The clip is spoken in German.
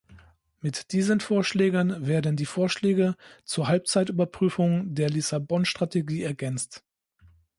Mit diesen Vorschlägen werden die Vorschläge zur Halbzeitüberprüfung der Lissabon-Strategie ergänzt.